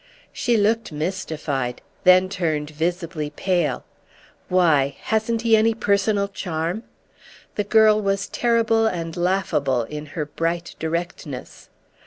She looked mystified, then turned visibly pale. "Why, hasn't he any personal charm?" The girl was terrible and laughable in her bright directness.